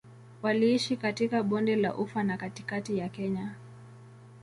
Waliishi katika Bonde la Ufa na katikati ya Kenya.